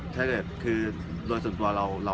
ถ้าเกิดคือโดยส่วนตัวเรา